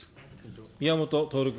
宮本徹君。